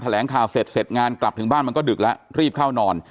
แหลงข่าวเสร็จเสร็จงานกลับถึงบ้านมันก็ดึกแล้วรีบเข้านอน